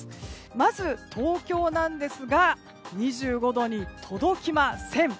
まず東京ですが２５度に届きません。